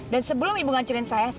dan sebelum ibu nganjurin ibu paralovich